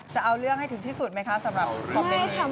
จะเอาเรื่องให้ถึงที่สุดไหมคะสำหรับคอมเมนต์นี้